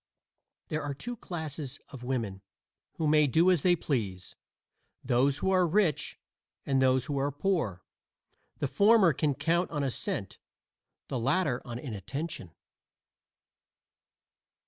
There are two classes of women who may do as they please; those who are rich and those who are poor. The former can count on assent, the latter on inattention.